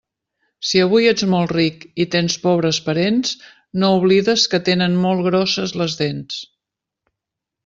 Si avui ets molt ric i tens pobres parents, no oblides que tenen molt grosses les dents.